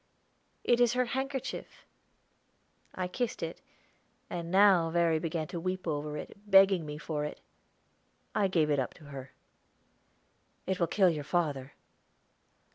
"It is her handkerchief." I kissed it, and now Verry began to weep over it, begging me for it. I gave it up to her. "It will kill your father."